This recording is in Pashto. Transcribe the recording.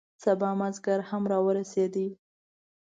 سبا مازدیګر هم را ورسید.